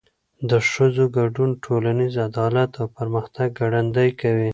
د ښځو ګډون ټولنیز عدالت او پرمختګ ګړندی کوي.